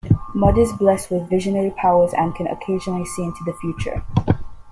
Mud is blessed with visionary powers and can occasionally see into the future.